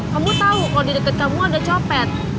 kamu tahu kalau di dekat kamu ada copet